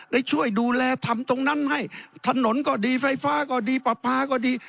ได้ช่วยดูแลทำตรงนั้นให้ถนนก็ดีไฟฟ้าก็ดีปลาปลาก็ดี